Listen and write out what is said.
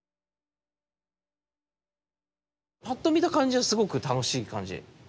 パッと見た感じはすごく楽しい感じ。